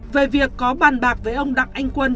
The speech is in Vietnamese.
về việc có bàn bạc với ông đặng anh quân